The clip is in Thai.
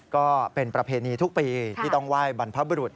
ก็เป็นประเพณีทุกปีที่ต้องไหว้บรรพบรุษ